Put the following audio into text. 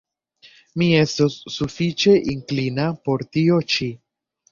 Mi estus sufiĉe inklina por tio ĉi.